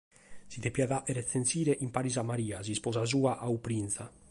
Si deviat fàghere tzensire in paris a Maria, s’isposa sua, ca fiat prìngia.